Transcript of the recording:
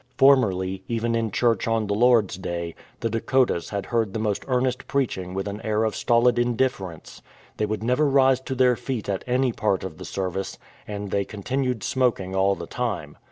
Formerly, even in church on the Lord's Day, the Dakotas had heard the most earnest preaching with an air of stolid indifference. They would never rise to their feet at any part of the service, and they continued smoking all the time.